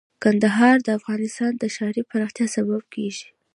کندهار د افغانستان د ښاري پراختیا سبب کېږي.